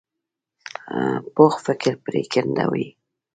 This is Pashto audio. پوخ فکر پرېکنده وي